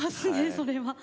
それは。